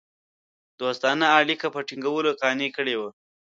دوستانه اړېکو په ټینګولو قانع کړي وه.